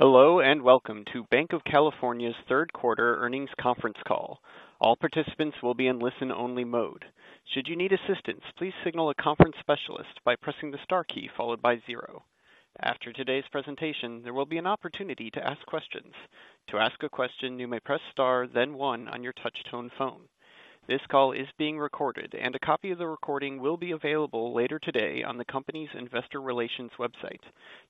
Hello, and welcome to Banc of California's third quarter earnings conference call. All participants will be in listen-only mode. Should you need assistance, please signal a conference specialist by pressing the star key followed by zero. After today's presentation, there will be an opportunity to ask questions. To ask a question, you may press star, then one on your touchtone phone. This call is being recorded, and a copy of the recording will be available later today on the company's investor relations website.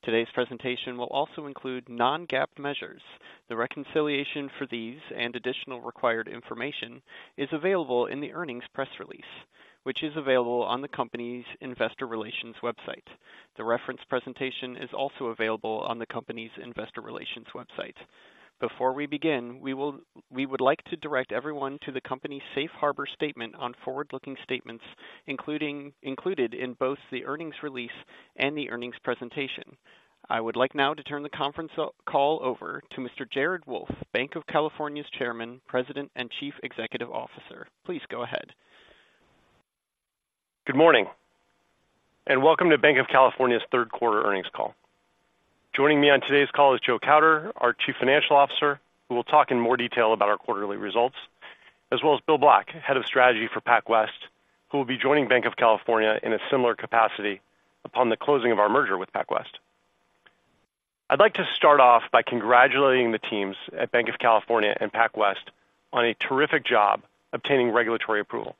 Today's presentation will also include non-GAAP measures. The reconciliation for these and additional required information is available in the earnings press release, which is available on the company's investor relations website. The reference presentation is also available on the company's Investor Relations website. Before we begin, we would like to direct everyone to the company's safe harbor statement on forward-looking statements, included in both the earnings release and the earnings presentation. I would like now to turn the conference call over to Mr. Jared Wolff, Banc of California's Chairman, President, and Chief Executive Officer. Please go ahead. Good morning, and welcome to Banc of California's third quarter earnings call. Joining me on today's call is Joe Kauder, our Chief Financial Officer, who will talk in more detail about our quarterly results, as well as Bill Black, Head of Strategy for PacWest, who will be joining Banc of California in a similar capacity upon the closing of our merger with PacWest. I'd like to start off by congratulating the teams at Banc of California and PacWest on a terrific job obtaining regulatory approval.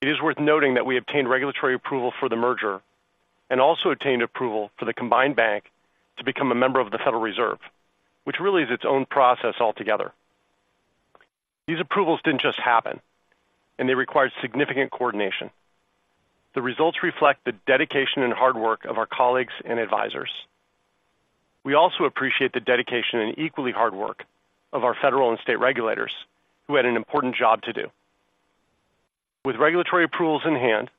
It is worth noting that we obtained regulatory approval for the merger and also obtained approval for the combined bank to become a member of the Federal Reserve, which really is its own process altogether. These approvals didn't just happen, and they required significant coordination. The results reflect the dedication and hard work of our colleagues and advisors. We also appreciate the dedication and equally hard work of our federal and state regulators, who had an important job to do. With regulatory approvals in hand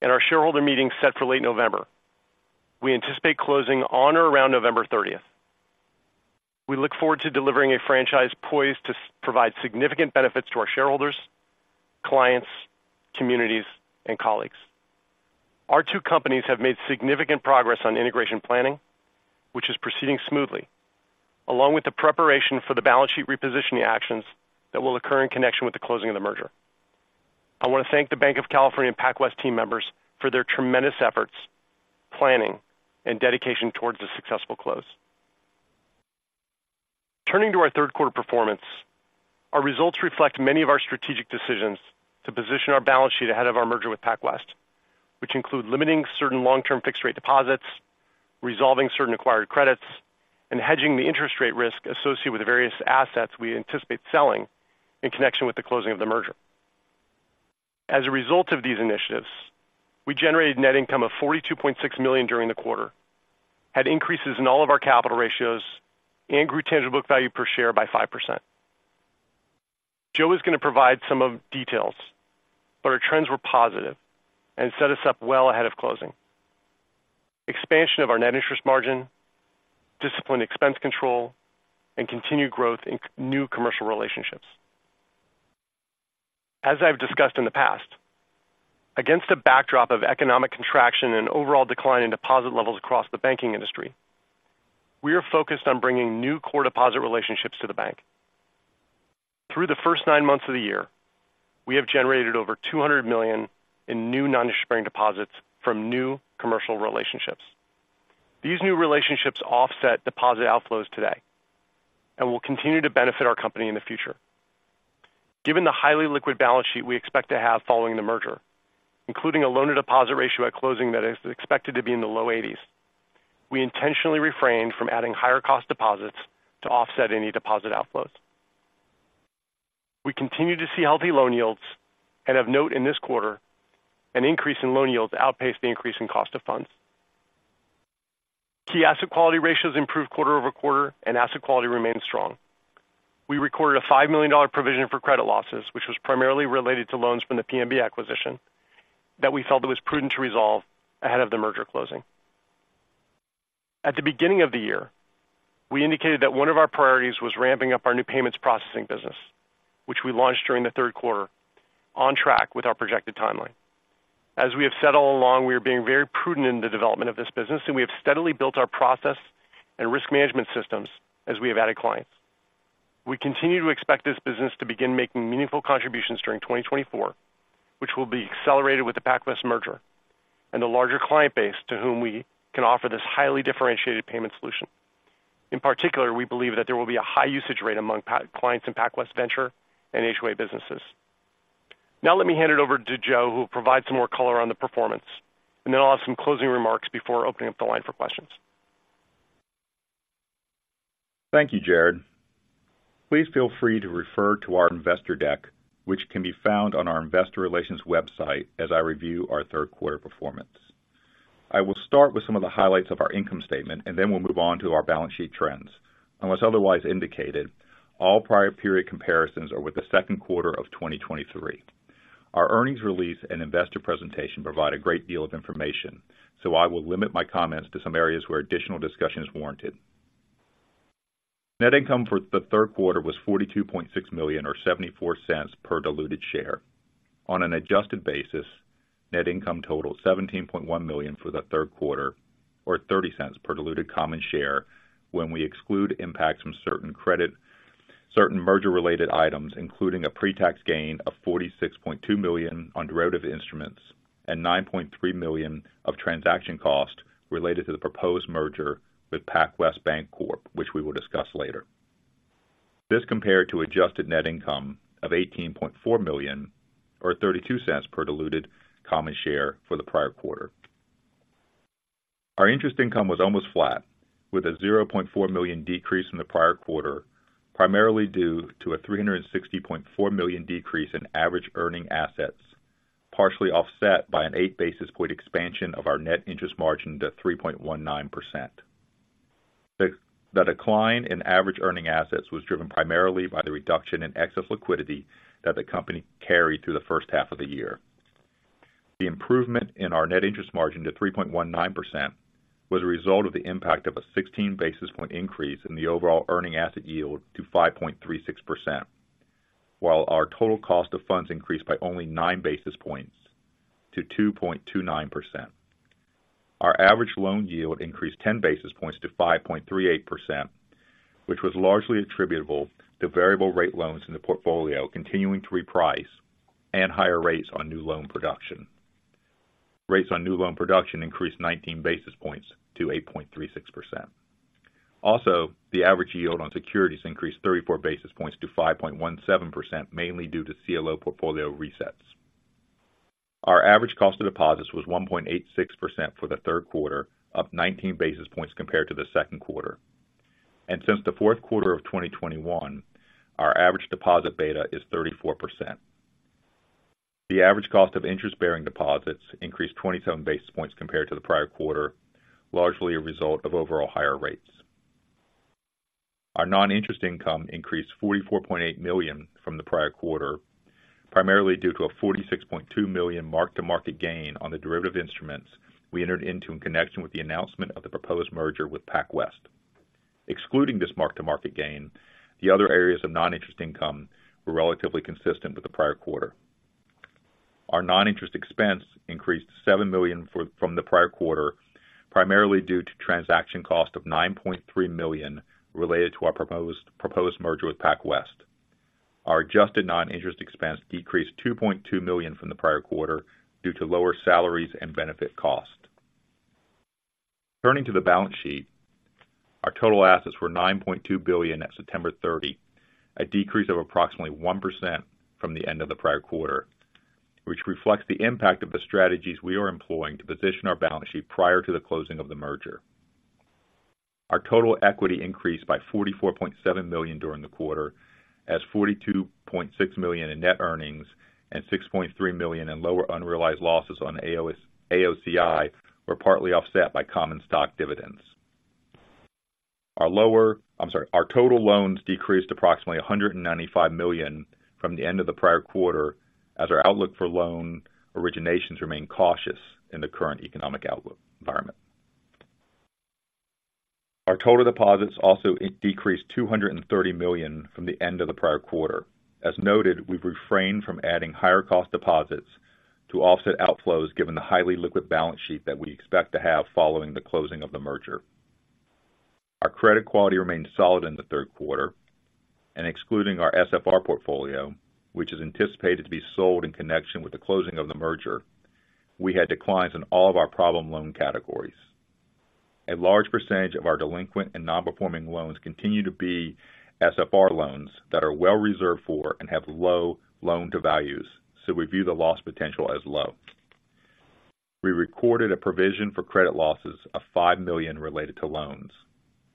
and our shareholder meeting set for late November, we anticipate closing on or around November 30th. We look forward to delivering a franchise poised to provide significant benefits to our shareholders, clients, communities, and colleagues. Our two companies have made significant progress on integration planning, which is proceeding smoothly, along with the preparation for the balance sheet repositioning actions that will occur in connection with the closing of the merger. I want to thank the Banc of California and PacWest team members for their tremendous efforts, planning, and dedication towards a successful close. Turning to our third quarter performance, our results reflect many of our strategic decisions to position our balance sheet ahead of our merger with PacWest, which include limiting certain long-term fixed rate deposits, resolving certain acquired credits, and hedging the interest rate risk associated with the various assets we anticipate selling in connection with the closing of the merger. As a result of these initiatives, we generated net income of $42.6 million during the quarter, had increases in all of our capital ratios, and grew tangible book value per share by 5%. Joe is going to provide some of details, but our trends were positive and set us up well ahead of closing. Expansion of our net interest margin, disciplined expense control, and continued growth in C&I new commercial relationships. As I've discussed in the past, against a backdrop of economic contraction and an overall decline in deposit levels across the banking industry, we are focused on bringing new core deposit relationships to the bank. Through the first nine months of the year, we have generated over $200 million in new non-interest-bearing deposits from new commercial relationships. These new relationships offset deposit outflows today and will continue to benefit our company in the future. Given the highly liquid balance sheet we expect to have following the merger, including a loan-to-deposit ratio at closing that is expected to be in the low 80s, we intentionally refrained from adding higher cost deposits to offset any deposit outflows. We continue to see healthy loan yields and of note in this quarter, an increase in loan yields outpaced the increase in cost of funds. Key asset quality ratios improved quarter over quarter, and asset quality remains strong. We recorded a $5 million provision for credit losses, which was primarily related to loans from the PMB acquisition that we felt it was prudent to resolve ahead of the merger closing. At the beginning of the year, we indicated that one of our priorities was ramping up our new payments processing business, which we launched during the third quarter on track with our projected timeline. As we have said all along, we are being very prudent in the development of this business, and we have steadily built our process and risk management systems as we have added clients. We continue to expect this business to begin making meaningful contributions during 2024, which will be accelerated with the PacWest merger and the larger client base to whom we can offer this highly differentiated payment solution. In particular, we believe that there will be a high usage rate among PacWest clients in PacWest Venture and HOA businesses. Now let me hand it over to Joe, who will provide some more color on the performance, and then I'll have some closing remarks before opening up the line for questions. Thank you, Jared. Please feel free to refer to our investor deck, which can be found on our investor relations website as I review our third quarter performance. I will start with some of the highlights of our income statement, and then we'll move on to our balance sheet trends. Unless otherwise indicated, all prior period comparisons are with the second quarter of 2023. Our earnings release and investor presentation provide a great deal of information, so I will limit my comments to some areas where additional discussion is warranted. Net income for the third quarter was $42.6 million, or $0.74 per diluted share. On an adjusted basis, net income totaled $17.1 million for the third quarter, or $0.30 per diluted common share, when we exclude impacts from certain credit, certain merger-related items, including a pretax gain of $46.2 million on derivative instruments and $9.3 million of transaction costs related to the proposed merger with PacWest Bancorp, which we will discuss later. This compared to adjusted net income of $18.4 million, or $0.32 per diluted common share for the prior quarter. Our interest income was almost flat, with a $0.4 million decrease from the prior quarter, primarily due to a $360.4 million decrease in average earning assets, partially offset by an eight basis point expansion of our net interest margin to 3.19%. The decline in average earning assets was driven primarily by the reduction in excess liquidity that the company carried through the first half of the year. The improvement in our net interest margin to 3.19% was a result of the impact of a 16 basis point increase in the overall earning asset yield to 5.36%, while our total cost of funds increased by only nine basis points to 2.29%. Our average loan yield increased 10 basis points to 5.38%, which was largely attributable to variable rate loans in the portfolio continuing to reprice and higher rates on new loan production. Rates on new loan production increased 19 basis points to 8.36%. Also, the average yield on securities increased 34 basis points to 5.17%, mainly due to CLO portfolio resets. Our average cost of deposits was 1.86% for the third quarter, up 19 basis points compared to the second quarter. Since the fourth quarter of 2021, our average deposit beta is 34%. The average cost of interest-bearing deposits increased 27 basis points compared to the prior quarter, largely a result of overall higher rates. Our non-interest income increased $44.8 million from the prior quarter, primarily due to a $46.2 million mark-to-market gain on the derivative instruments we entered into in connection with the announcement of the proposed merger with PacWest. Excluding this mark-to-market gain, the other areas of non-interest income were relatively consistent with the prior quarter. Our non-interest expense increased $7 million from the prior quarter, primarily due to transaction cost of $9.3 million related to our proposed merger with PacWest. Our adjusted non-interest expense decreased $2.2 million from the prior quarter due to lower salaries and benefit costs. Turning to the balance sheet, our total assets were $9.2 billion at September 30, a decrease of approximately 1% from the end of the prior quarter, which reflects the impact of the strategies we are employing to position our balance sheet prior to the closing of the merger. Our total equity increased by $44.7 million during the quarter, as $42.6 million in net earnings and $6.3 million in lower unrealized losses on AOCI were partly offset by common stock dividends. Our total loans decreased approximately $195 million from the end of the prior quarter, as our outlook for loan originations remain cautious in the current economic environment. Our total deposits also decreased $230 million from the end of the prior quarter. As noted, we've refrained from adding higher cost deposits to offset outflows, given the highly liquid balance sheet that we expect to have following the closing of the merger. Our credit quality remained solid in the third quarter, and excluding our SFR portfolio, which is anticipated to be sold in connection with the closing of the merger, we had declines in all of our problem loan categories. A large percentage of our delinquent and non-performing loans continue to be SFR loans that are well reserved for and have low loan to values, so we view the loss potential as low. We recorded a provision for credit losses of $5 million related to loans.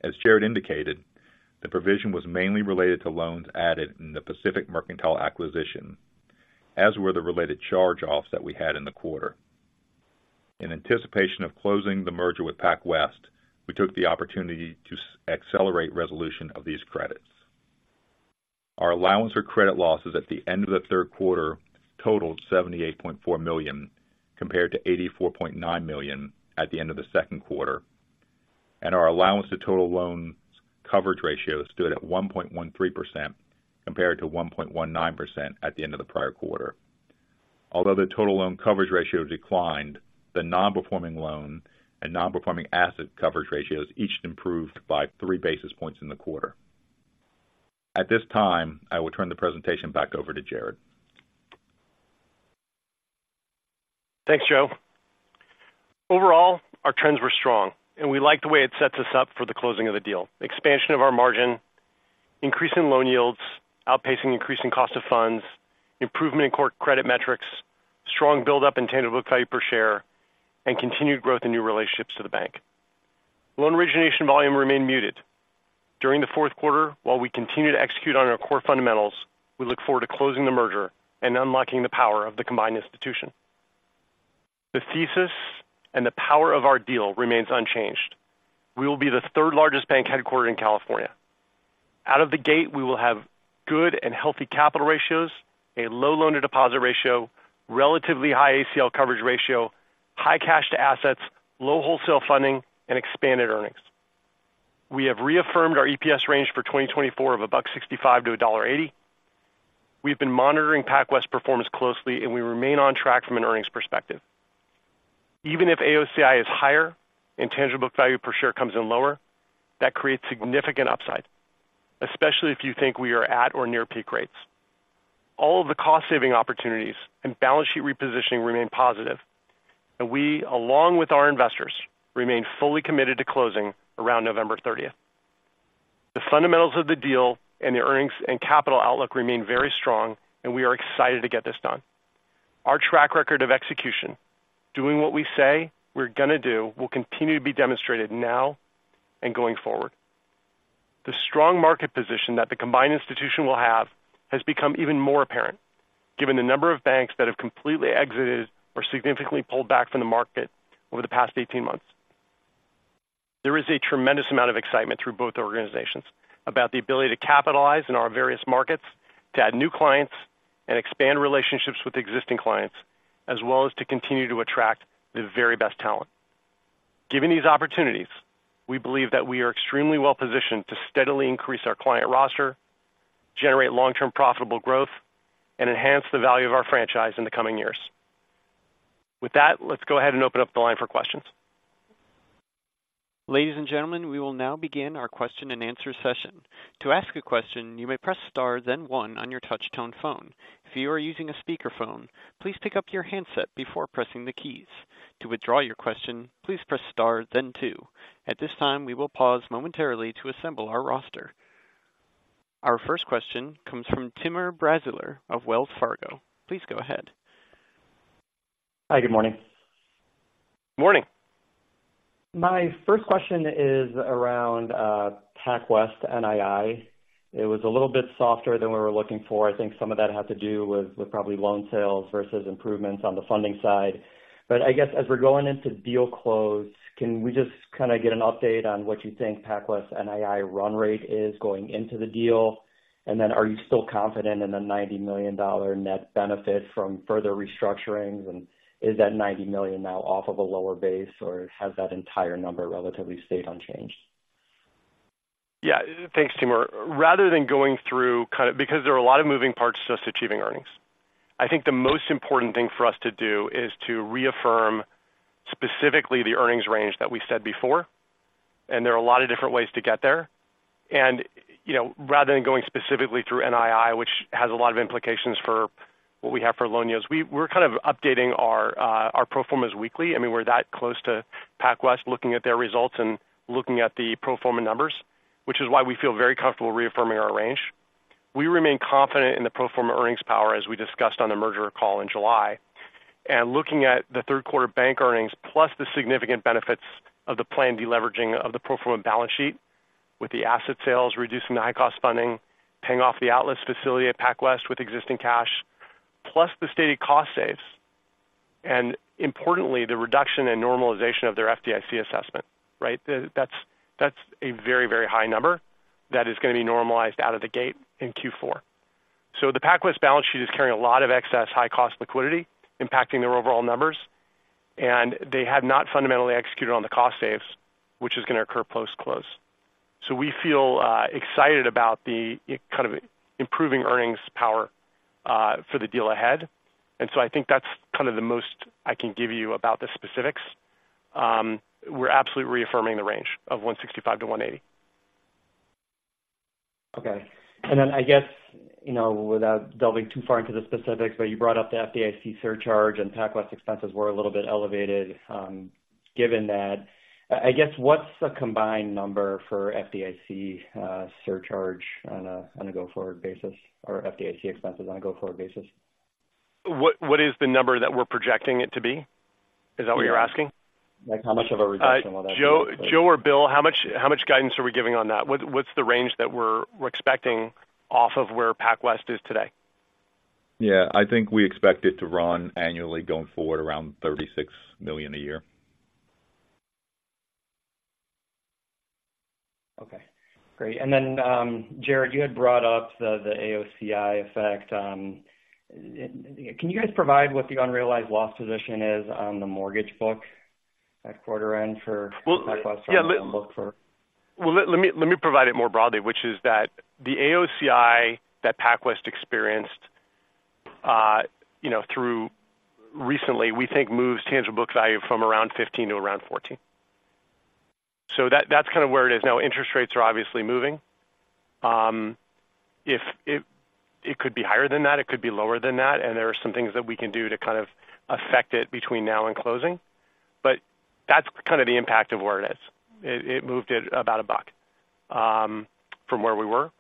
As Jared indicated, the provision was mainly related to loans added in the Pacific Mercantile acquisition, as were the related charge-offs that we had in the quarter. In anticipation of closing the merger with PacWest, we took the opportunity to accelerate resolution of these credits. Our allowance for credit losses at the end of the third quarter totaled $78.4 million, compared to $84.9 million at the end of the second quarter, and our allowance to total loans coverage ratio stood at 1.13%, compared to 1.19% at the end of the prior quarter. Although the total loan coverage ratio declined, the non-performing loan and non-performing asset coverage ratios each improved by three basis points in the quarter. At this time, I will turn the presentation back over to Jared. Thanks, Joe. Overall, our trends were strong, and we like the way it sets us up for the closing of the deal. Expansion of our margin, increase in loan yields, outpacing increasing cost of funds, improvement in core credit metrics, strong buildup in tangible book value per share, and continued growth in new relationships to the bank. Loan origination volume remained muted. During the fourth quarter, while we continue to execute on our core fundamentals, we look forward to closing the merger and unlocking the power of the combined institution. The thesis and the power of our deal remains unchanged. We will be the third-largest bank headquartered in California. Out of the gate, we will have good and healthy capital ratios, a low loan-to-deposit ratio, relatively high ACL coverage ratio, high cash to assets, low wholesale funding, and expanded earnings. We have reaffirmed our EPS range for 2024 of $1.65-$1.80. We've been monitoring PacWest performance closely, and we remain on track from an earnings perspective. Even if AOCI is higher and tangible book value per share comes in lower, that creates significant upside, especially if you think we are at or near peak rates. All of the cost-saving opportunities and balance sheet repositioning remain positive, and we, along with our investors, remain fully committed to closing around November 30. The fundamentals of the deal and the earnings and capital outlook remain very strong, and we are excited to get this done. Our track record of execution, doing what we say we're going to do, will continue to be demonstrated now and going forward. The strong market position that the combined institution will have has become even more apparent, given the number of banks that have completely exited or significantly pulled back from the market over the past 18 months. There is a tremendous amount of excitement through both organizations about the ability to capitalize in our various markets, to add new clients and expand relationships with existing clients, as well as to continue to attract the very best talent. Given these opportunities, we believe that we are extremely well-positioned to steadily increase our client roster, generate long-term profitable growth, and enhance the value of our franchise in the coming years. With that, let's go ahead and open up the line for questions. Ladies and gentlemen, we will now begin our question and answer session. To ask a question, you may press star, then one on your touchtone phone. If you are using a speakerphone, please pick up your handset before pressing the keys. To withdraw your question, please press star then two. At this time, we will pause momentarily to assemble our roster. Our first question comes from Timur Braziler of Wells Fargo. Please go ahead. Hi, good morning. Morning. My first question is around PacWest NII. It was a little bit softer than we were looking for. I think some of that had to do with probably loan sales versus improvements on the funding side. But I guess as we're going into deal close, can we just kind of get an update on what you think PacWest NII run rate is going into the deal? And then are you still confident in the $90 million net benefit from further restructurings? And is that $90 million now off of a lower base, or has that entire number relatively stayed unchanged? Yeah. Thanks, Timur. Rather than going through kind of, because there are a lot of moving parts to us achieving earnings, I think the most important thing for us to do is to reaffirm specifically the earnings range that we said before, and there are a lot of different ways to get there. And, you know, rather than going specifically through NII, which has a lot of implications for what we have for loan yields, we're kind of updating our, our pro formas weekly. I mean, we're that close to PacWest, looking at their results and looking at the pro forma numbers, which is why we feel very comfortable reaffirming our range. We remain confident in the pro forma earnings power, as we discussed on the merger call in July. Looking at the third quarter bank earnings, plus the significant benefits of the planned deleveraging of the pro forma balance sheet, with the asset sales reducing the high-cost funding, paying off the Atlas facility at PacWest with existing cash, plus the stated cost saves, and importantly, the reduction and normalization of their FDIC assessment, right? That's, that's a very, very high number that is going to be normalized out of the gate in Q4. The PacWest balance sheet is carrying a lot of excess high-cost liquidity, impacting their overall numbers, and they have not fundamentally executed on the cost saves, which is going to occur post-close. We feel excited about the kind of improving earnings power for the deal ahead. I think that's kind of the most I can give you about the specifics. We're absolutely reaffirming the range of $1.65-$1.80. Okay. And then I guess, you know, without delving too far into the specifics, but you brought up the FDIC surcharge and PacWest expenses were a little bit elevated. Given that, I guess, what's the combined number for FDIC surcharge on a go-forward basis or FDIC expenses on a go-forward basis? What, what is the number that we're projecting it to be? Is that what you're asking? Like, how much of a reduction would that be? Joe or Bill, how much guidance are we giving on that? What's the range that we're expecting off of where PacWest is today? Yeah. I think we expect it to run annually going forward, around $36 million a year. Okay, great. And then, Jared, you had brought up the AOCI effect. Can you guys provide what the unrealized loss position is on the mortgage book at quarter end for- Well- PacWest book for? Well, let me provide it more broadly, which is that the AOCI that PacWest experienced, you know, through recently, we think moves tangible book value from around 15 to around 14. So that's kind of where it is now. Interest rates are obviously moving. If it could be higher than that, it could be lower than that, and there are some things that we can do to kind of affect it between now and closing. But that's kind of the impact of where it is. It moved it about $1 from where we were,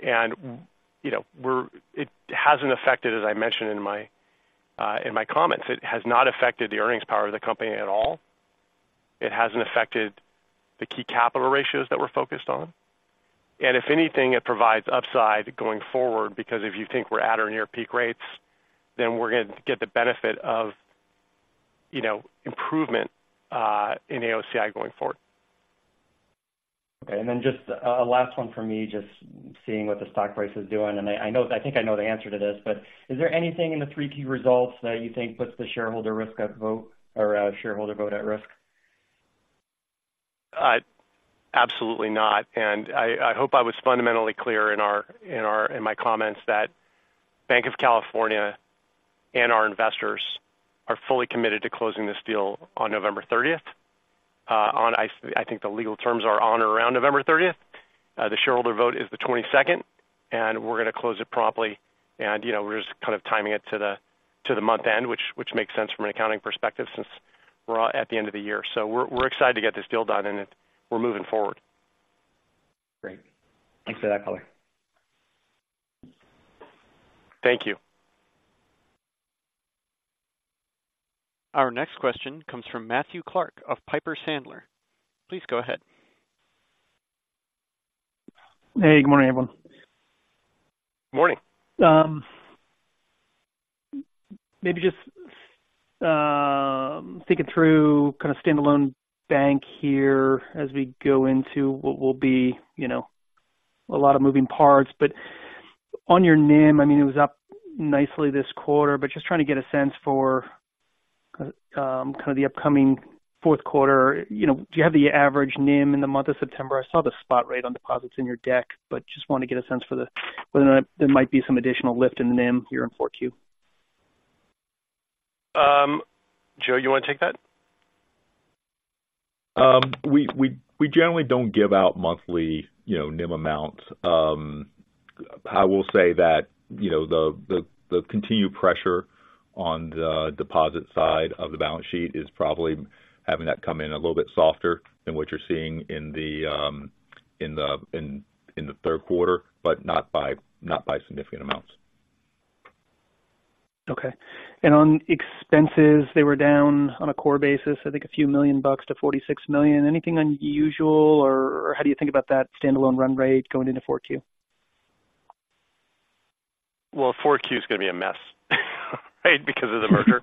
and, you know, it hasn't affected, as I mentioned in my comments, it has not affected the earnings power of the company at all. It hasn't affected the key capital ratios that we're focused on. If anything, it provides upside going forward, because if you think we're at or near peak rates, then we're going to get the benefit of, you know, improvement in AOCI going forward.... Okay, and then just a last one for me, just seeing what the stock price is doing, and I know, I think I know the answer to this, but is there anything in the 3Q results that you think puts the shareholder vote at risk? Absolutely not. And I hope I was fundamentally clear in my comments that Banc of California and our investors are fully committed to closing this deal on November 30th. I think the legal terms are on or around November thirtieth. The shareholder vote is the 22nd, and we're going to close it promptly. And, you know, we're just kind of timing it to the month end, which makes sense from an accounting perspective, since we're all at the end of the year. So we're excited to get this deal done, and we're moving forward. Great. Thanks for that color. Thank you. Our next question comes from Matthew Clark of Piper Sandler. Please go ahead. Hey, good morning, everyone. Morning. Maybe just thinking through kind of standalone bank here as we go into what will be, you know, a lot of moving parts. But on your NIM, I mean, it was up nicely this quarter, but just trying to get a sense for kind of the upcoming fourth quarter. You know, do you have the average NIM in the month of September? I saw the spot rate on deposits in your deck, but just want to get a sense for whether or not there might be some additional lift in the NIM here in four Q. Joe, you want to take that? We generally don't give out monthly, you know, NIM amounts. I will say that, you know, the continued pressure on the deposit side of the balance sheet is probably having that come in a little bit softer than what you're seeing in the third quarter, but not by significant amounts. Okay. And on expenses, they were down on a core basis, I think, a few million bucks to $46 million. Anything unusual, or how do you think about that standalone run rate going into Q4? Well, Q4 is going to be a mess, right, because of the merger.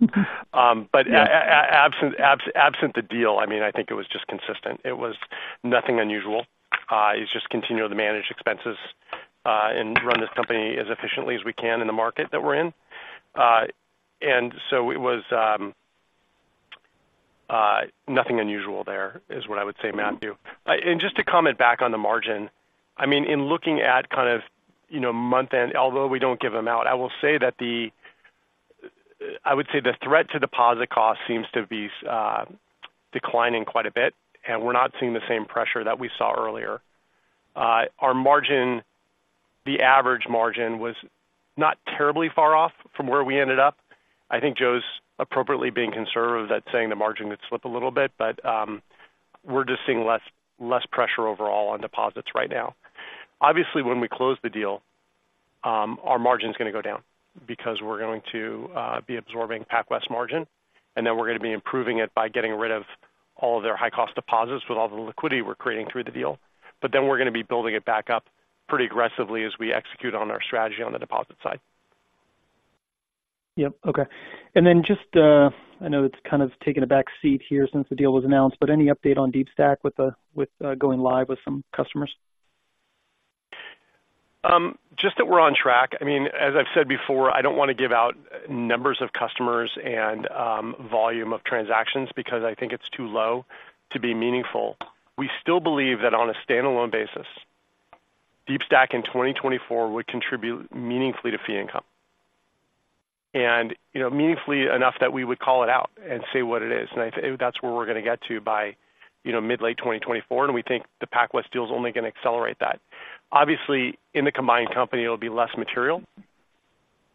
But absent the deal, I mean, I think it was just consistent. It was nothing unusual. It's just continue to manage expenses, and run this company as efficiently as we can in the market that we're in. And so it was nothing unusual there is what I would say, Matthew. And just to comment back on the margin, I mean, in looking at kind of, you know, month-end, although we don't give them out, I will say that I would say the threat to deposit costs seems to be declining quite a bit, and we're not seeing the same pressure that we saw earlier. Our margin, the average margin, was not terribly far off from where we ended up. I think Joe's appropriately being conservative that saying the margin would slip a little bit, but, we're just seeing less, less pressure overall on deposits right now. Obviously, when we close the deal, our margin is going to go down because we're going to be absorbing PacWest margin, and then we're going to be improving it by getting rid of all of their high-cost deposits with all the liquidity we're creating through the deal. But then we're going to be building it back up pretty aggressively as we execute on our strategy on the deposit side. Yep. Okay. And then just, I know it's kind of taken a back seat here since the deal was announced, but any update on Deepstack with the, with, going live with some customers? Just that we're on track. I mean, as I've said before, I don't want to give out numbers of customers and, volume of transactions because I think it's too low to be meaningful. We still believe that on a standalone basis, Deepstack in 2024 would contribute meaningfully to fee income. And, you know, meaningfully enough that we would call it out and say what it is. And I think that's where we're going to get to by, you know, mid-late 2024, and we think the PacWest deal is only going to accelerate that. Obviously, in the combined company, it'll be less material,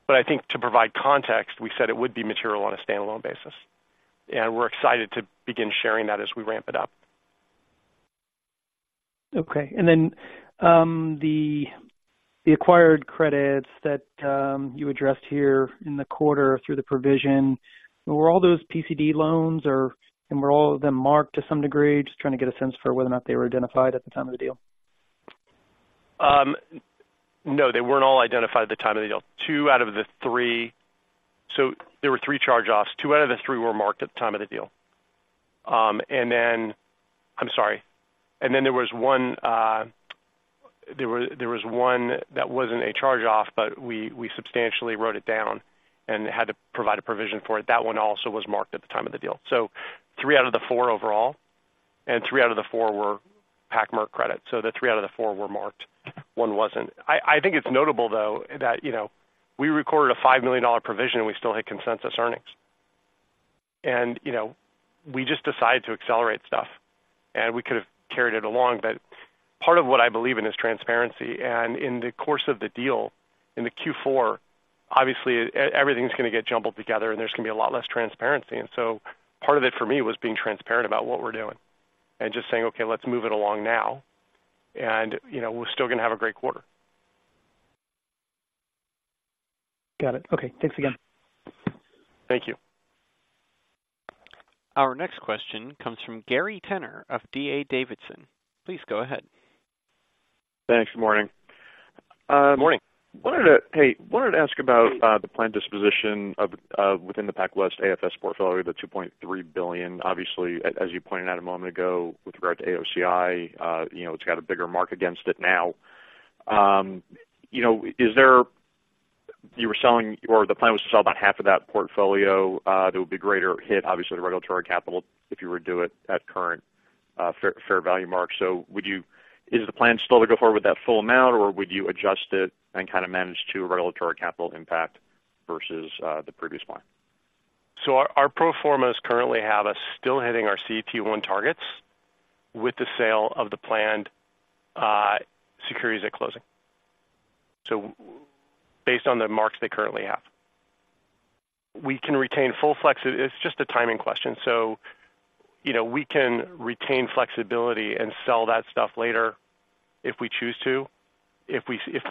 but I think to provide context, we said it would be material on a standalone basis, and we're excited to begin sharing that as we ramp it up. Okay. And then, the acquired credits that you addressed here in the quarter through the provision, were all those PCD loans or and were all of them marked to some degree? Just trying to get a sense for whether or not they were identified at the time of the deal. No, they weren't all identified at the time of the deal. Two out of the three. So there were three charge-offs. Two out of the three were marked at the time of the deal. And then. I'm sorry. And then there was one that wasn't a charge-off, but we substantially wrote it down and had to provide a provision for it. That 1 also was marked at the time of the deal. So three out of the four overall, and three out of the four were PMB credits. So the three out of the four were marked. One wasn't. I think it's notable, though, that, you know, we recorded a $5 million provision, and we still hit consensus earnings. And, you know, we just decided to accelerate stuff, and we could have carried it along. But part of what I believe in is transparency, and in the course of the deal, in the Q4, obviously, everything's going to get jumbled together, and there's going to be a lot less transparency. And so part of it for me was being transparent about what we're doing and just saying, "Okay, let's move it along now," and, you know, we're still going to have a great quarter. Got it. Okay. Thanks again. Thank you. Our next question comes from Gary Tenner of D.A. Davidson. Please go ahead. Thanks. Good morning. Good morning. Wanted to ask about the planned disposition of within the PacWest AFS portfolio, the $2.3 billion. Obviously, as you pointed out a moment ago, with regard to AOCI, you know, it's got a bigger mark against it now. You know, is there... You were selling or the plan was to sell about half of that portfolio, there would be greater hit, obviously, to the regulatory capital, if you were to do it at current fair value mark. So is the plan still to go forward with that full amount, or would you adjust it and kind of manage to regulatory capital impact versus the previous plan? So our pro formas currently have us still hitting our CET1 targets with the sale of the planned securities at closing. So based on the marks they currently have. We can retain full flex. It's just a timing question. So, you know, we can retain flexibility and sell that stuff later if we choose to, if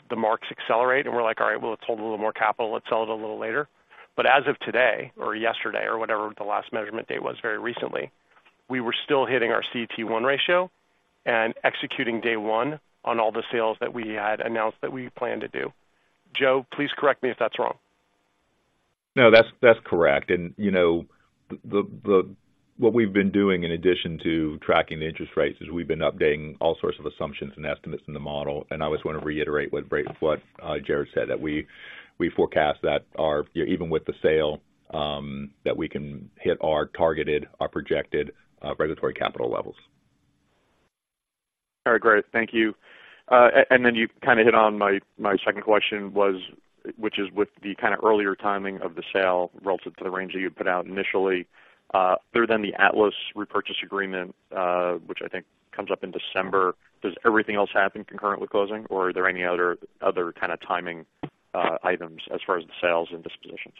the marks accelerate and we're like: All right, well, let's hold a little more capital. Let's sell it a little later. But as of today or yesterday or whatever, the last measurement date was very recently, we were still hitting our CET1 ratio and executing day one on all the sales that we had announced that we planned to do. Joe, please correct me if that's wrong. No, that's correct. And, you know, what we've been doing, in addition to tracking the interest rates, is we've been updating all sorts of assumptions and estimates in the model. And I just want to reiterate what Jared said, that we forecast that our even with the sale, that we can hit our targeted, our projected regulatory capital levels. All right, great. Thank you. And then you kind of hit on my second question, which is with the kind of earlier timing of the sale relative to the range that you had put out initially, other than the Atlas repurchase agreement, which I think comes up in December, does everything else happen concurrently closing, or are there any other kind of timing items as far as the sales and dispositions?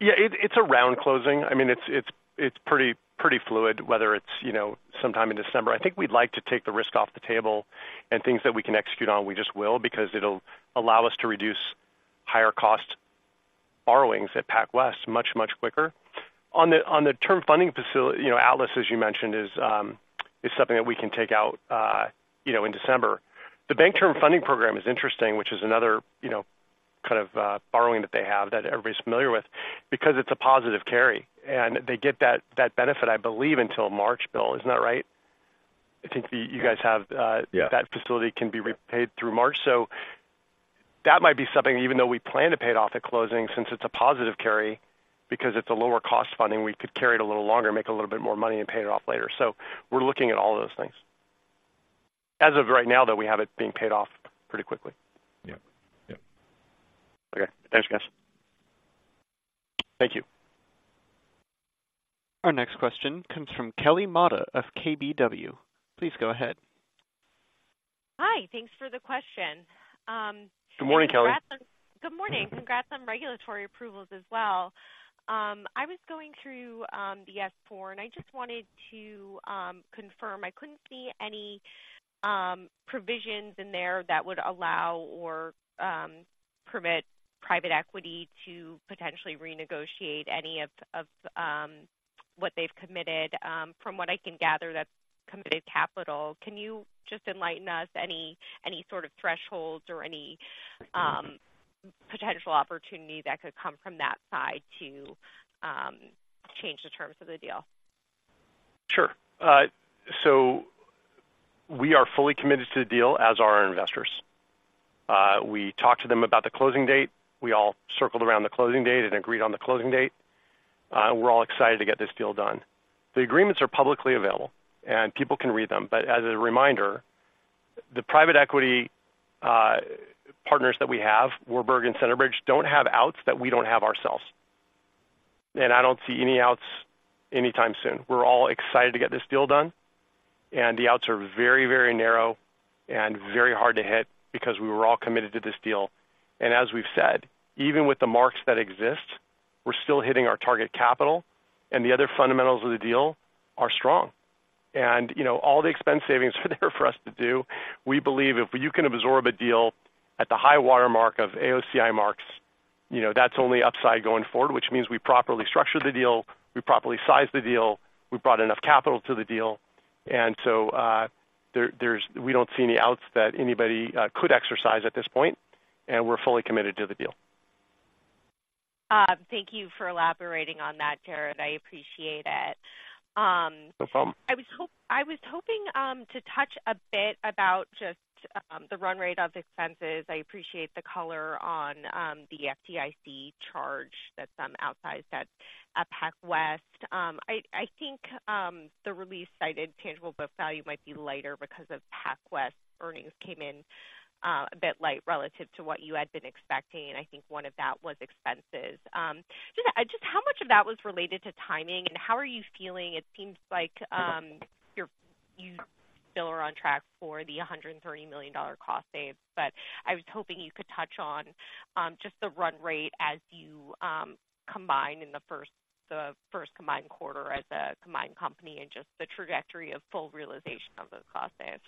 Yeah, it's around closing. I mean, it's pretty fluid, whether it's, you know, sometime in December. I think we'd like to take the risk off the table and things that we can execute on, we just will, because it'll allow us to reduce higher cost borrowings at PacWest much quicker. On the term funding facility, you know, Atlas, as you mentioned, is something that we can take out in December. The Bank Term Funding Program is interesting, which is another kind of borrowing that they have that everybody's familiar with because it's a positive carry, and they get that benefit, I believe, until March, Bill, isn't that right? I think you guys have that facility can be repaid through March. So that might be something, even though we plan to pay it off at closing, since it's a positive carry, because it's a lower cost funding, we could carry it a little longer, make a little bit money and pay it off later. So we're looking at all those things. As of right now, though, we have it being paid off pretty quickly. Yep. Yep. Okay. Thanks, guys. Thank you. Our next question comes from Kelly Motta of KBW. Please go ahead. Hi, thanks for the question. Good morning, Kelly. Good morning. Congrats on regulatory approvals as well. I was going through the S-4, and I just wanted to confirm. I couldn't see any provisions in there that would allow or permit private equity to potentially renegotiate any of what they've committed. From what I can gather, that's committed capital. Can you just enlighten us any sort of thresholds or any potential opportunity that could come from that side to change the terms of the deal? Sure. So we are fully committed to the deal, as are our investors. We talked to them about the closing date. We all circled around the closing date and agreed on the closing date, we're all excited to get this deal done. The agreements are publicly available, and people can read them, but as a reminder, the private equity partners that we have, Warburg and Centerbridge, don't have outs that we don't have ourselves. And I don't see any outs anytime soon. We're all excited to get this deal done, and the outs are very, very narrow and very hard to hit because we were all committed to this deal. And as we've said, even with the marks that exist, we're still hitting our target capital, and the other fundamentals of the deal are strong. You know, all the expense savings are there for us to do. We believe if you can absorb a deal at the high-water mark of AOCI marks, you know, that's only upside going forward, which means we properly structured the deal, we properly sized the deal, we brought enough capital to the deal, and so, we don't see any outs that anybody could exercise at this point, and we're fully committed to the deal. Thank you for elaborating on that, Jared. I appreciate it. No problem. I was hoping to touch a bit about just the run rate of expenses. I appreciate the color on the FDIC charge that's outsized at PacWest. I think the release cited tangible book value might be lighter because of PacWest earnings came in a bit light relative to what you had been expecting, and I think one of that was expenses. So just how much of that was related to timing, and how are you feeling? It seems like you're still on track for the $130 million cost save, but I was hoping you could touch on just the run rate as you combine in the first combined quarter as a combined company and just the trajectory of full realization of those cost saves.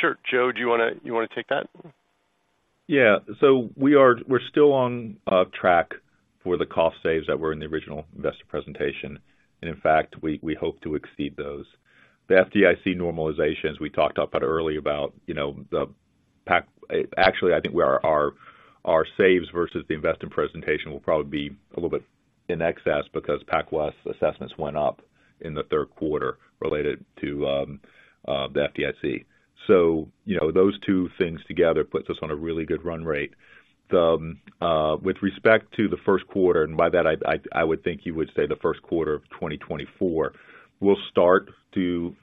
Sure. Joe, do you wanna, you wanna take that? Yeah. So we're still on track for the cost saves that were in the original investor presentation. And in fact, we hope to exceed those. The FDIC normalizations we talked about earlier about, you know, the PacWest. Actually, I think where our saves versus the investment presentation will probably be a little bit in excess because PacWest assessments went up in the third quarter related to the FDIC. So, you know, those two things together puts us on a really good run rate. The, with respect to the first quarter, and by that, I would think you would say the first quarter of 2024, we'll start to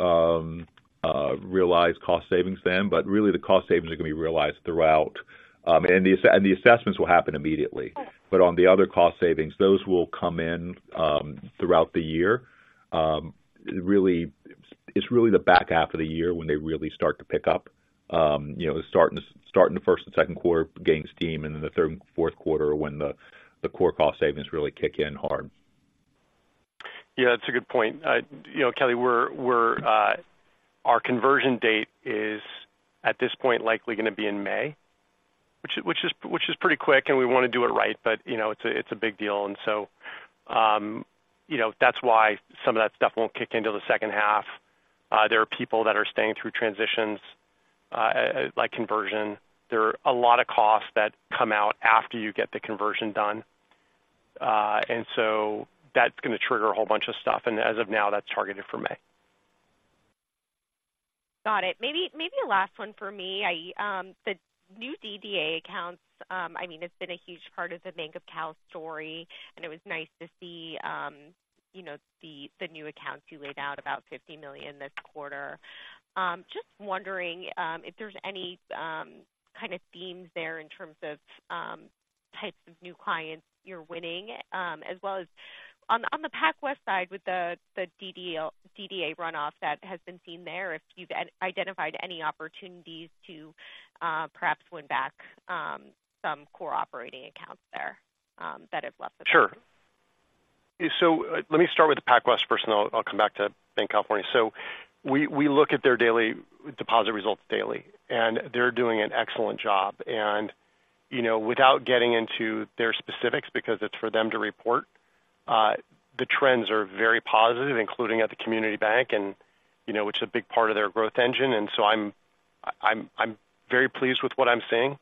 realize cost savings then. But really, the cost savings are going to be realized throughout, and the assessments will happen immediately. On the other cost savings, those will come in throughout the year. Really, it's really the back half of the year when they really start to pick up. You know, start in the first and second quarter, gaining steam, and then the third and fourth quarter, when the core cost savings really kick in hard. Yeah, that's a good point. You know, Kelly, we're... Our conversion date is, at this point, likely going to be in May, which is pretty quick, and we want to do it right, but, you know, it's a big deal. And so, you know, that's why some of that stuff won't kick in till the second half. There are people that are staying through transitions, like conversion. There are a lot of costs that come out after you get the conversion done. And so that's going to trigger a whole bunch of stuff. And as of now, that's targeted for May. Got it. Maybe, maybe a last one for me. I, the new DDA accounts, I mean, it's been a huge part of the Banc of Cal story, and it was nice to see, you know, the new accounts you laid out, about $50 million this quarter. Just wondering, if there's any, kind of themes there in terms of, types of new clients you're winning, as well as on the, on the PacWest side, with the, the DDA runoff that has been seen there, if you've identified any opportunities to, perhaps win back, some core operating accounts there, that have left the- Sure. So let me start with the PacWest first, and I'll come back to Banc of California. So we look at their daily deposit results daily, and they're doing an excellent job. And, you know, without getting into their specifics, because it's for them to report, the trends are very positive, including at the community bank and, you know, which is a big part of their growth engine. And so I'm very pleased with what I'm seeing.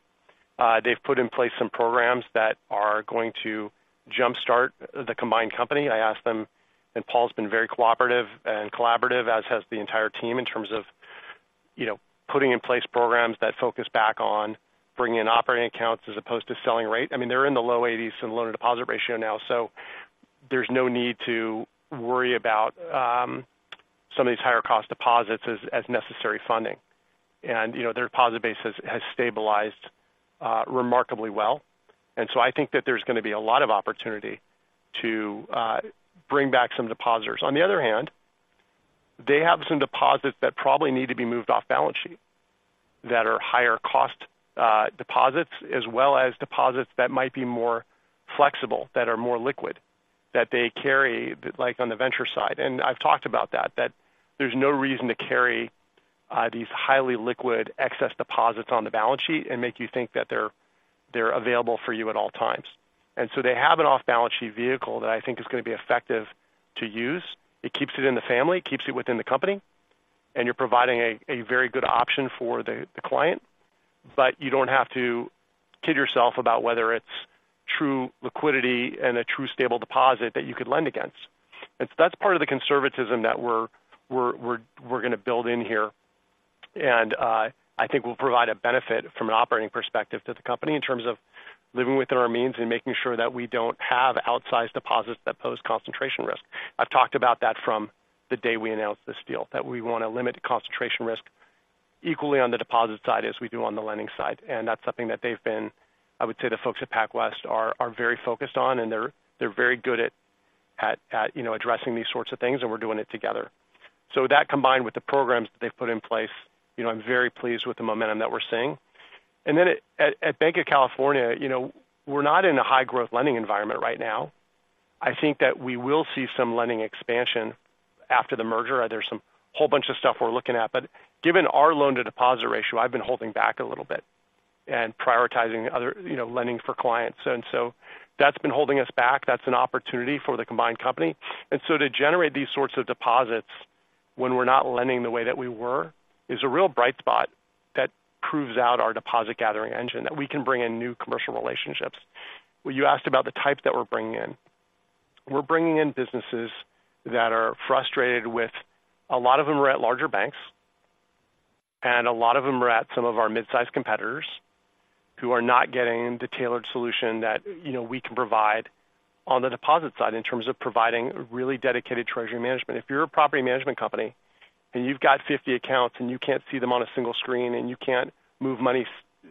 They've put in place some programs that are going to jumpstart the combined company. I asked them, and Paul's been very cooperative and collaborative, as has the entire team, in terms of, you know, putting in place programs that focus back on bringing in operating accounts as opposed to selling rate. I mean, they're in the low 80s in loan-to-deposit ratio now, so there's no need to worry about some of these higher cost deposits as necessary funding. You know, their deposit base has stabilized remarkably well. So I think that there's going to be a lot of opportunity to bring back some depositors. On the other hand, they have some deposits that probably need to be moved off balance sheet, that are higher cost deposits, as well as deposits that might be more flexible, that are more liquid, that they carry, like on the venture side. I've talked about that, that there's no reason to carry these highly liquid excess deposits on the balance sheet and make you think that they're available for you at all times. And so they have an off-balance sheet vehicle that I think is going to be effective to use. It keeps it in the family, keeps it within the company, and you're providing a very good option for the client, but you don't have to kid yourself about whether it's true liquidity and a true stable deposit that you could lend against. And so that's part of the conservatism that we're going to build in here. And I think we'll provide a benefit from an operating perspective to the company in terms of living within our means and making sure that we don't have outsized deposits that pose concentration risk. I've talked about that from the day we announced this deal, that we want to limit concentration risk equally on the deposit side as we do on the lending side. That's something that they've been, I would say, the folks at PacWest are very focused on, and they're very good at, you know, addressing these sorts of things, and we're doing it together. So that, combined with the programs that they've put in place, you know, I'm very pleased with the momentum that we're seeing. And then at Banc of California, you know, we're not in a high growth lending environment right now. I think that we will see some lending expansion after the merger. There's some whole bunch of stuff we're looking at, but given our loan-to-deposit ratio, I've been holding back a little bit and prioritizing other, you know, lending for clients. So that's been holding us back. That's an opportunity for the combined company. And so to generate these sorts of deposits when we're not lending the way that we were, is a real bright spot that proves out our deposit gathering engine, that we can bring in new commercial relationships. Well, you asked about the types that we're bringing in. We're bringing in businesses that are frustrated with... A lot of them are at larger banks, and a lot of them are at some of our mid-size competitors, who are not getting the tailored solution that, you know, we can provide on the deposit side in terms of providing really dedicated treasury management. If you're a property management company and you've got 50 accounts, and you can't see them on a single screen, and you can't move money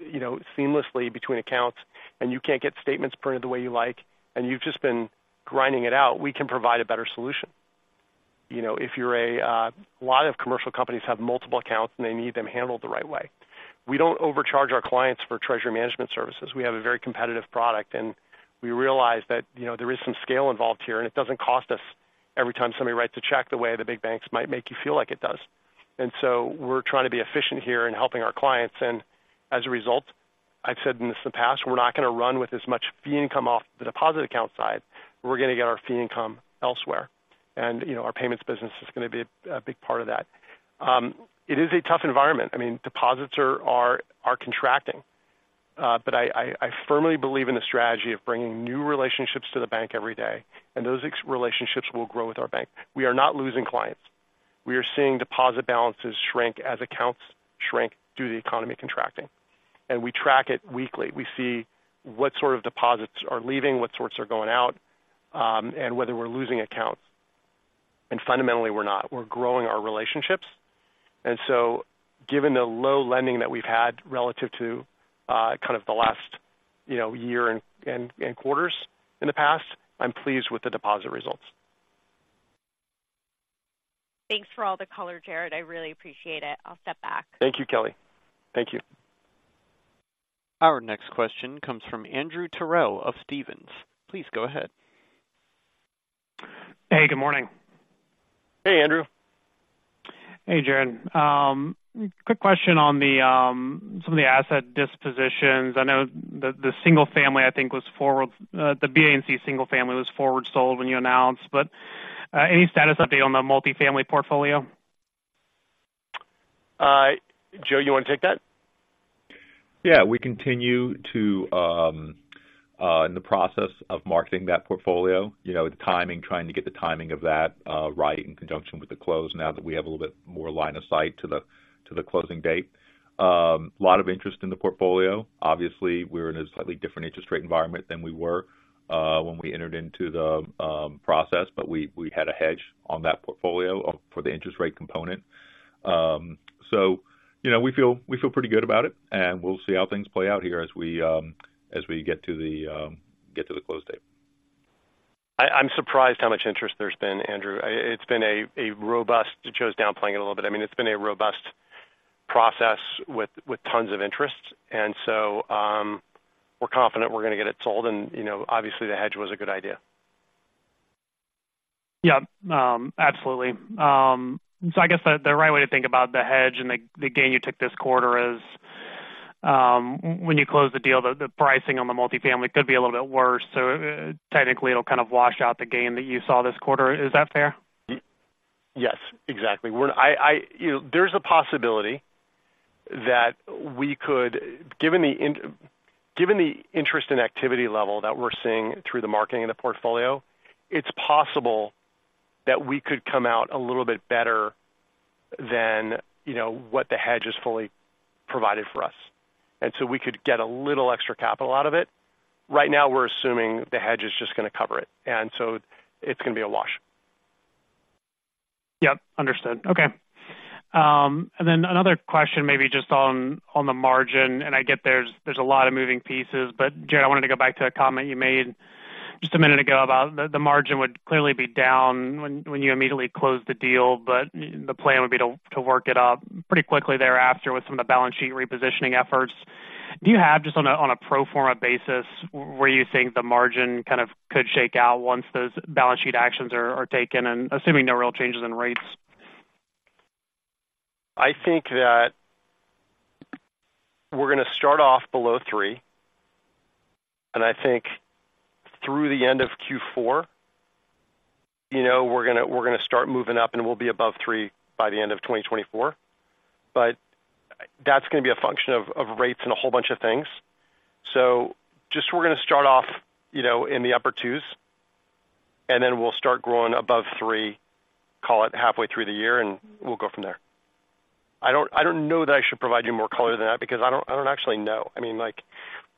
you know, seamlessly between accounts, and you can't get statements printed the way you like, and you've just been grinding it out, we can provide a better solution. You know, if you're a, a lot of commercial companies have multiple accounts, and they need them handled the right way. We don't overcharge our clients for treasury management services. We have a very competitive product, and we realize that, you know, there is some scale involved here, and it doesn't cost us every time somebody writes a check, the way the big banks might make you feel like it does.... And so we're trying to be efficient here in helping our clients. And as a result, I've said in this in the past, we're not going to run with as much fee income off the deposit account side. We're going to get our fee income elsewhere, and, you know, our payments business is going to be a big part of that. It is a tough environment. I mean, deposits are contracting. But I firmly believe in the strategy of bringing new relationships to the bank every day, and those existing relationships will grow with our bank. We are not losing clients. We are seeing deposit balances shrink as accounts shrink due to the economy contracting. And we track it weekly. We see what sort of deposits are leaving, what sorts are going out, and whether we're losing accounts. And fundamentally, we're not. We're growing our relationships. So, given the low lending that we've had relative to kind of the last, you know, year and quarters in the past, I'm pleased with the deposit results. Thanks for all the color, Jared. I really appreciate it. I'll step back. Thank you, Kelly. Thank you. Our next question comes from Andrew Terrell of Stephens. Please go ahead. Hey, good morning. Hey, Andrew. Hey, Jared. Quick question on some of the asset dispositions. I know the Single Family, I think, was forward sold, the Banc Single Family was forward sold when you announced, but any status update on the multifamily portfolio? Joe, you want to take that? Yeah, we continue to in the process of marketing that portfolio, you know, the timing, trying to get the timing of that right in conjunction with the close now that we have a little bit more line of sight to the closing date. A lot of interest in the portfolio. Obviously, we're in a slightly different interest rate environment than we were when we entered into the process, but we had a hedge on that portfolio for the interest rate component. So, you know, we feel pretty good about it, and we'll see how things play out here as we get to the close date. I'm surprised how much interest there's been, Andrew. It's been a robust... Joe's downplaying it a little bit. I mean, it's been a robust process with tons of interest, and so we're confident we're going to get it sold and, you know, obviously, the hedge was a good idea. Yeah, absolutely. So I guess the right way to think about the hedge and the gain you took this quarter is, when you close the deal, the pricing on the multifamily could be a little bit worse. So technically, it'll kind of wash out the gain that you saw this quarter. Is that fair? Yes, exactly. We're, you know, there's a possibility that we could, given the interest and activity level that we're seeing through the marketing of the portfolio, it's possible that we could come out a little bit better than, you know, what the hedge has fully provided for us, and so we could get a little extra capital out of it. Right now, we're assuming the hedge is just going to cover it, and so it's going to be a wash. Yep, understood. Okay. And then another question, maybe just on, on the margin, and I get there's, there's a lot of moving pieces. But Jared, I wanted to go back to a comment you made just a minute ago about the, the margin would clearly be down when, when you immediately close the deal, but the plan would be to, to work it up pretty quickly thereafter with some of the balance sheet repositioning efforts. Do you have, just on a, on a pro forma basis, where you think the margin kind of could shake out once those balance sheet actions are, are taken and assuming no real changes in rates? I think that we're going to start off below 3, and I think through the end of Q4, you know, we're going to, we're going to start moving up, and we'll be above 3 by the end of 2024. But that's going to be a function of, of rates and a whole bunch of things. So just we're going to start off, you know, in the upper 2s, and then we'll start growing above 3, call it halfway through the year, and we'll go from there. I don't, I don't know that I should provide you more color than that because I don't, I don't actually know. I mean, like,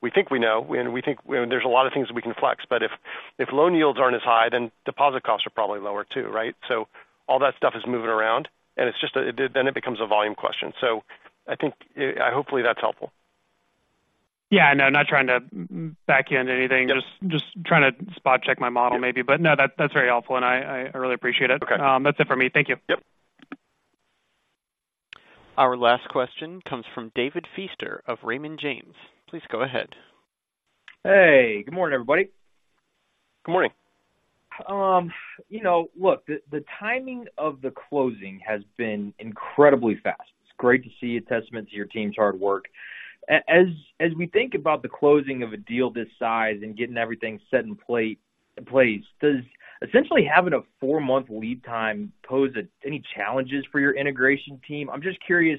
we think we know, and we think there's a lot of things we can flex, but if, if loan yields aren't as high, then deposit costs are probably lower, too, right? So all that stuff is moving around, and it's just a volume question. So I think, hopefully, that's helpful. Yeah, no, not trying to back in anything. Yep. Just, just trying to spot-check my model, maybe. Yep. But no, that's very helpful, and I really appreciate it. Okay. That's it for me. Thank you. Yep. Our last question comes from David Feaster of Raymond James. Please go ahead. Hey, good morning, everybody. Good morning. You know, look, the timing of the closing has been incredibly fast. It's great to see a testament to your team's hard work. As we think about the closing of a deal this size and getting everything set in place, does essentially having a four-month lead time pose any challenges for your integration team? I'm just curious,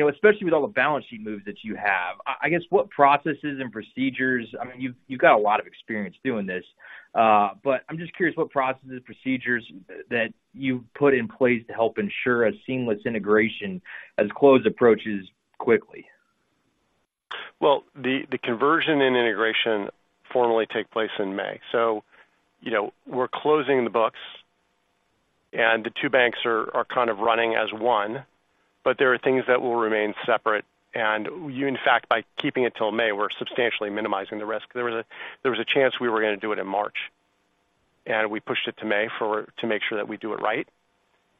you know, especially with all the balance sheet moves that you have, I guess what processes and procedures, I mean, you've got a lot of experience doing this, but I'm just curious what processes, procedures that you've put in place to help ensure a seamless integration as close approaches quickly. Well, the conversion and integration formally take place in May. So, you know, we're closing the books, and the two banks are kind of running as one, but there are things that will remain separate. And, in fact, by keeping it till May, we're substantially minimizing the risk. There was a chance we were going to do it in March, and we pushed it to May to make sure that we do it right.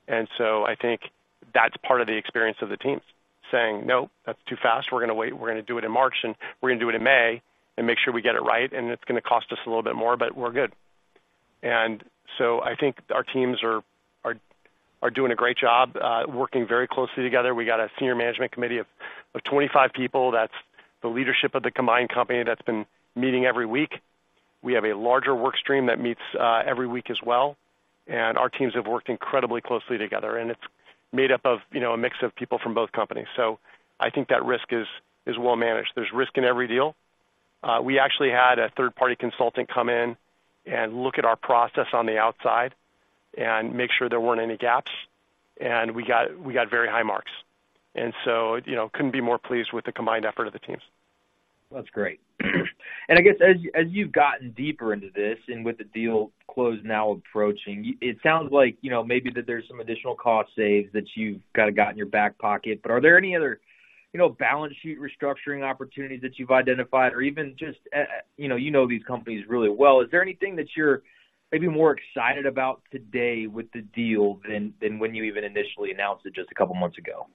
And so I think that's part of the experience of the teams, saying: "No, that's too fast. We're going to wait. We're going to do it in March, and we're going to do it in May and make sure we get it right, and it's going to cost us a little bit more, but we're good." And so I think our teams are doing a great job working very closely together. We got a senior management committee of 25 people. That's the leadership of the combined company that's been meeting every week. We have a larger work stream that meets every week as well, and our teams have worked incredibly closely together, and it's made up of, you know, a mix of people from both companies. So I think that risk is well managed. There's risk in every deal. We actually had a third-party consultant come in and look at our process on the outside and make sure there weren't any gaps, and we got very high marks. And so, you know, couldn't be more pleased with the combined effort of the teams. That's great. And I guess as you've gotten deeper into this and with the deal closed now approaching, it sounds like, you know, maybe that there's some additional cost saves that you've kind of got in your back pocket. But are there any other, you know, balance sheet restructuring opportunities that you've identified or even just, you know, you know these companies really well. Is there anything that you're maybe more excited about today with the deal than when you even initially announced it just a couple of months ago?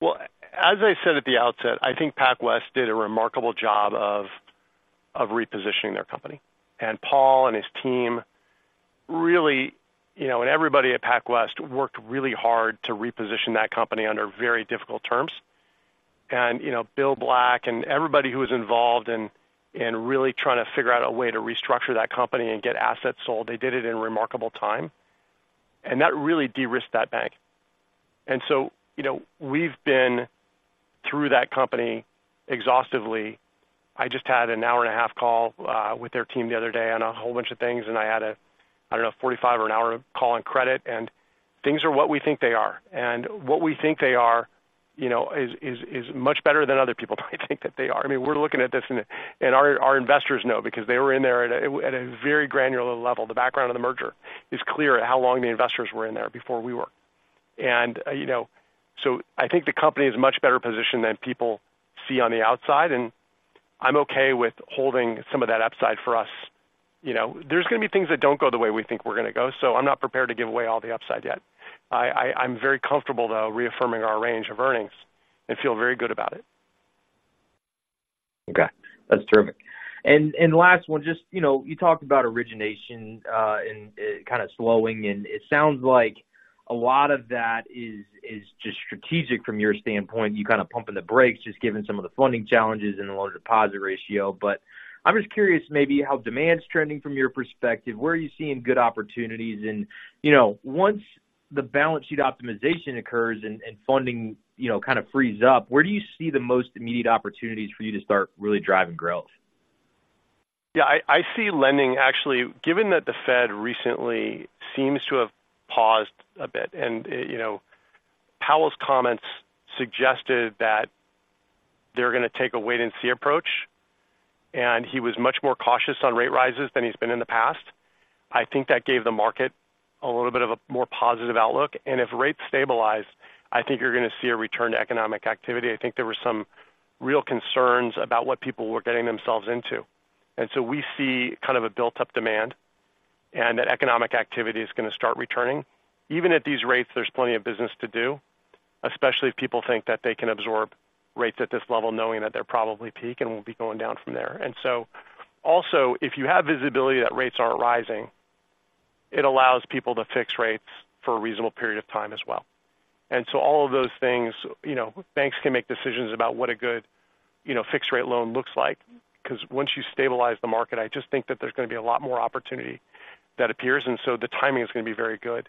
Well, as I said at the outset, I think PacWest did a remarkable job of repositioning their company. And Paul and his team really, you know, and everybody at PacWest worked really hard to reposition that company under very difficult terms. And, you know, Bill Black and everybody who was involved in really trying to figure out a way to restructure that company and get assets sold, they did it in remarkable time, and that really de-risked that bank. And so, you know, we've been through that company exhaustively. I just had an hour-and-a-half call with their team the other day on a whole bunch of things, and I had a, I don't know, 45 or an hour call on credit. Things are what we think they are, and what we think they are, you know, is much better than other people might think that they are. I mean, we're looking at this, and our investors know because they were in there at a very granular level. The background of the merger is clear at how long the investors were in there before we were. You know, so I think the company is much better positioned than people see on the outside, and I'm okay with holding some of that upside for us. You know, there's gonna be things that don't go the way we think we're gonna go, so I'm not prepared to give away all the upside yet. I'm very comfortable, though, reaffirming our range of earnings and feel very good about it. Okay. That's terrific. And, and last one, just, you know, you talked about origination, and it kind of slowing, and it sounds like a lot of that is, is just strategic from your standpoint. You're kind of pumping the brakes, just given some of the funding challenges and the lower deposit ratio. But I'm just curious maybe how demand's trending from your perspective. Where are you seeing good opportunities? And, you know, once the balance sheet optimization occurs and, and funding, you know, kind of frees up, where do you see the most immediate opportunities for you to start really driving growth? Yeah, I see lending actually, given that the Fed recently seems to have paused a bit, and, you know, Powell's comments suggested that they're gonna take a wait-and-see approach, and he was much more cautious on rate rises than he's been in the past. I think that gave the market a little bit of a more positive outlook, and if rates stabilize, I think you're gonna see a return to economic activity. I think there were some real concerns about what people were getting themselves into, and so we see kind of a built-up demand and that economic activity is gonna start returning. Even at these rates, there's plenty of business to do, especially if people think that they can absorb rates at this level, knowing that they're probably peak and will be going down from there. And so also, if you have visibility that rates aren't rising, it allows people to fix rates for a reasonable period of time as well. And so all of those things, you know, banks can make decisions about what a good, you know, fixed rate loan looks like. Because once you stabilize the market, I just think that there's gonna be a lot more opportunity that appears, and so the timing is gonna be very good.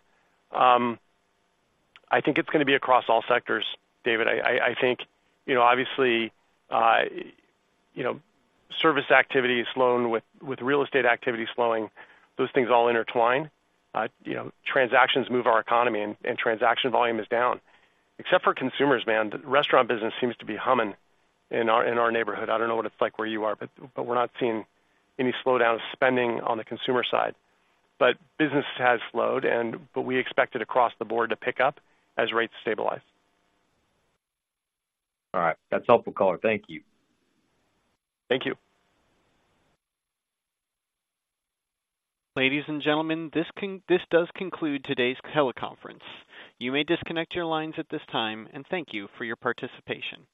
I think it's gonna be across all sectors, David. I think, you know, obviously, you know, service activity is slowing with real estate activity slowing, those things all intertwine. You know, transactions move our economy, and transaction volume is down. Except for consumers, man, the restaurant business seems to be humming in our neighborhood. I don't know what it's like where you are, but we're not seeing any slowdown of spending on the consumer side. But business has slowed, but we expect it across the board to pick up as rates stabilize. All right. That's helpful color. Thank you. Thank you. Ladies and gentlemen, this does conclude today's teleconference. You may disconnect your lines at this time, and thank you for your participation.